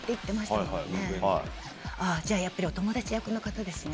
じゃあやっぱりお友達役の方ですね。